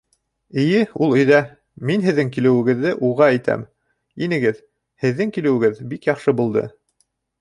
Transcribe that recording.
— Эйе, ул өйҙә. Мин һеҙҙең килеүегеҙҙе уға әйтәм. Инегеҙ. Һеҙҙең килеүегеҙ бик яҡшы булды.